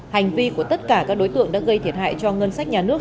hành vi của tất cả các đối tượng đã gây thiệt hại cho ngân sách nhà nước